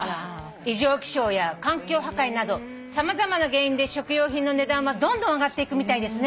「異常気象や環境破壊など様々な原因で食料品の値段はどんどん上がっていくみたいですね」